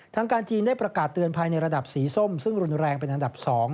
การจีนได้ประกาศเตือนภัยในระดับสีส้มซึ่งรุนแรงเป็นอันดับ๒